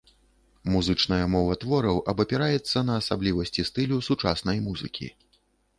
Музычная мова твораў абапіраецца на асаблівасці стылю сучаснай музыкі.